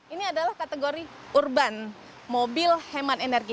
ini adalah kategori urban mobil hemat energi